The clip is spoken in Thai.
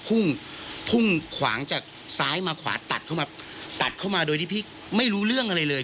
พุ่งพุ่งขวางจากซ้ายมาขวาตัดเข้ามาตัดเข้ามาโดยที่พี่ไม่รู้เรื่องอะไรเลย